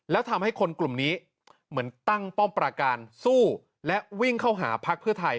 แล้วทำให้คนกลุ่มนี้เหมือนตั้งป้อมประการสู้และวิ่งเข้าหาพักเพื่อไทย